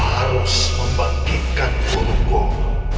aku harus membangkitkan guru guru